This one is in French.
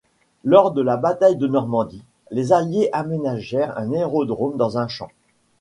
Lors de la bataille de Normandie, les Alliés aménagèrent un aérodrome dans un champ.